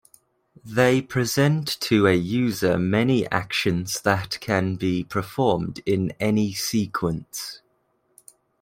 They present to a user many actions that can be performed in any sequence.